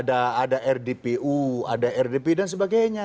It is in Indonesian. ada rdpu ada rdp dan sebagainya